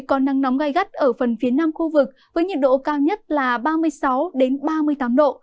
có nắng nóng gai gắt ở phần phía nam khu vực với nhiệt độ cao nhất là ba mươi sáu ba mươi tám độ